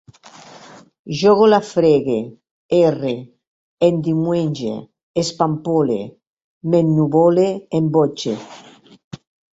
Jo golafrege, erre, endiumenge, espampole, m'ennuvole, embotxe